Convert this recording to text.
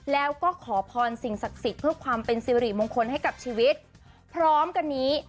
แล้วก็ขอพรสิ่งศักดิ์สิทธิ์เพื่อความเป็นสิริมงคลให้กับชีวิตพร้อมกันนี้